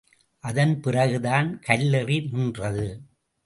அதன் பிறகுதான் கல்லெறி நின்றது.